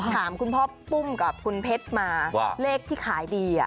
ถามคุณพ่อปุ้มกับคุณเพชรมาว่าเลขที่ขายดี